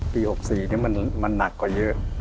ปี๖๔นี้มันหนักกว่าเยอะ